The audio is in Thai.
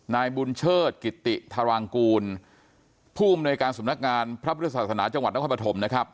นายบุญเชิดกิติธารางกูลผู้อำนวยการสำนักงานพระพุทธศาสนาจังหวัดนครปฐมนะครับ